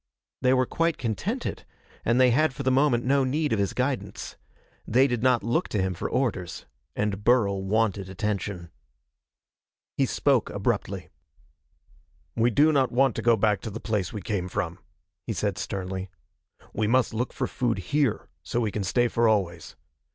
They were quite contented, and they had for the moment no need of his guidance. They did not look to him for orders. And Burl wanted attention. He spoke abruptly. "We do not want to go back to the place we came from," he said sternly. "We must look for food here, so we can stay for always.